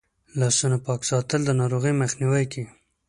لاسونه پاک ساتل د ناروغیو مخنیوی کوي.